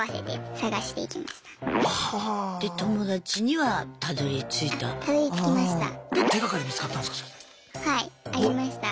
はいありました。